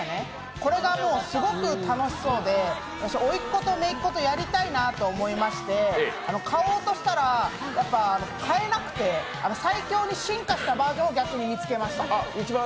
これがもうすごく楽しそうで、おいっ子とめいっ子とやりたいなと思いまして買おうとしたら買えなくて最強に進化したバージョンを逆に見つけました。